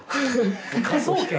科捜研や。